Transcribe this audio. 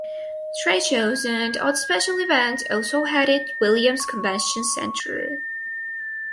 Trade shows and other special events also held at Williams Convention Center.